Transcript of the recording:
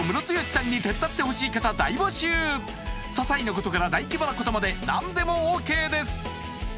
ささいなことから大規模なことまで何でもＯＫです